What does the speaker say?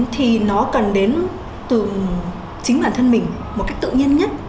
thì nó cần đến từ chính bản thân mình một cách tự nhiên nhất